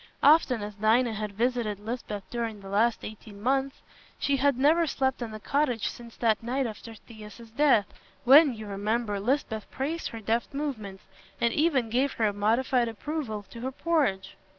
Often as Dinah had visited Lisbeth during the last eighteen months, she had never slept in the cottage since that night after Thias's death, when, you remember, Lisbeth praised her deft movements and even gave a modified approval to her porridge.